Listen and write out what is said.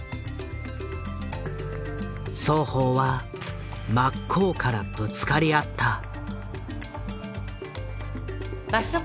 双方は真っ向からぶつかり合った。